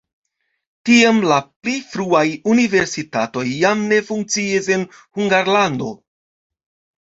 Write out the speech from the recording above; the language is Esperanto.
Tiam la pli fruaj universitatoj jam ne funkciis en Hungarlando.